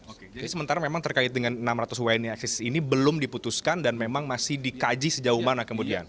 oke jadi sementara memang terkait dengan enam ratus wni eksis ini belum diputuskan dan memang masih dikaji sejauh mana kemudian